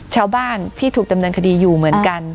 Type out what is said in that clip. ชาวบ้านที่ถูกดำเนินคดีอยู่เหมือนกัน